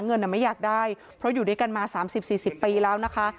เงินอ่ะไม่อยากได้เพราะอยู่ด้วยกันมาสามสิบสี่สิบปีแล้วนะคะ